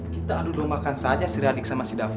kita adu rumahkan saja si radik sama si dava